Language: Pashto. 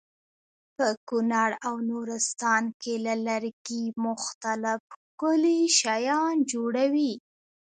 په کونړ او نورستان کې له لرګي مختلف ښکلي شیان جوړوي.